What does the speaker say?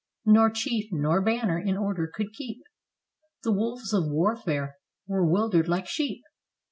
Nor chief, nor banner in order could keep, The wolves of warfare were 'wildered like sheep.